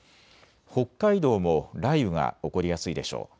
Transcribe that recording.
北海道も雷雨が起こりやすいでしょう。